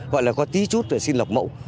gọi là có tí chút để xin lọc mẫu